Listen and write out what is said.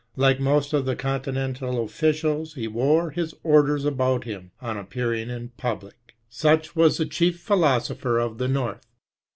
Like most of the continental officials, he wore his orders about him on appearing in public. Such was the chief philosopher of the North.